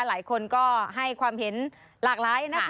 หลายคนก็ให้ความเห็นหลากหลายนะคะ